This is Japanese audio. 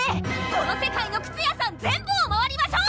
この世界の靴屋さん全部を回りましょう！